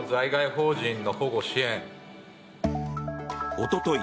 おととい